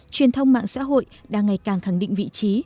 truyền thông mạng xã hội đang ngày càng khẳng định vị trí